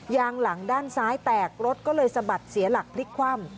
ยางหลังด้านซ้ายแตกรถก็เลยสะบัดเสียหลักพลิกคว่ำ